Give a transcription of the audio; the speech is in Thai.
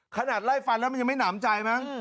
ขนาดไล่ฟันแล้วมันยังไม่หนำใจมั้ง